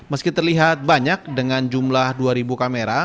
meski terlihat banyak dengan jumlah dua kamera